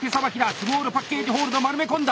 スモールパッケージホールド丸め込んだ！